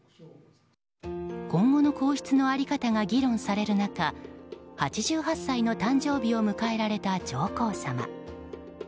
今後の皇室の在り方が議論される中８８歳の誕生日を迎えられた上皇さま。